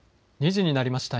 ２時になりました。